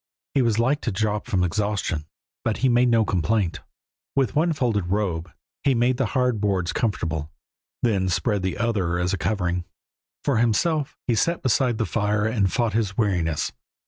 He was like to drop from exhaustion, but he made no complaint. With one folded robe he made the hard boards comfortable, then spread the other as a covering. For himself he sat beside the fire and fought his weariness.